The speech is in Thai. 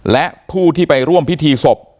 และผู้ที่ไปร่วมพิธีศพ